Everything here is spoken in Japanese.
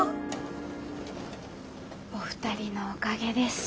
お二人のおかげです。